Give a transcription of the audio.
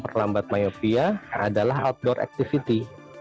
memperlambat miopia adalah outdoor activity